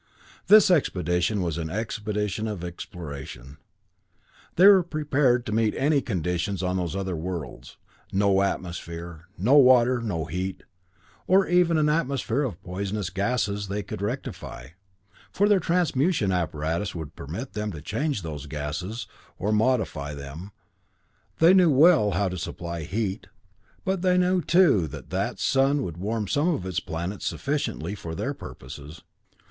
This expedition was an expedition of exploration. They were prepared to meet any conditions on those other worlds no atmosphere, no water, no heat, or even an atmosphere of poisonous gases they could rectify, for their transmutation apparatus would permit them to change those gases, or modify them; they knew well how to supply heat, but they knew too, that that sun would warm some of its planets sufficiently for their purposes.